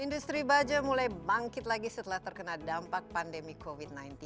industri baja mulai bangkit lagi setelah terkena dampak pandemi covid sembilan belas